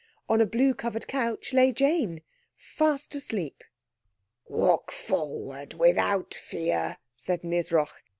On a blue covered couch lay Jane fast asleep. "Walk forward without fear," said Nisroch.